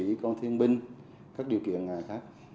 ví dụ con thiên binh các điều kiện khác